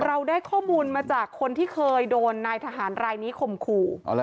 เราได้ข้อมูลมาจากคนที่เคยโดนนายทหารรายนี้ข่มขู่